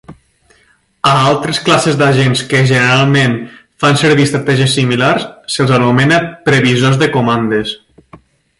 A altres classes d'agents que, generalment, fan servir estratègies similars, se'ls anomena "previsors de comandes".